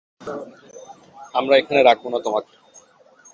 আমরা এখানে রাখবো না তোমাকে।